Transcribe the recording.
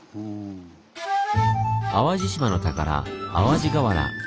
淡路島の宝淡路瓦。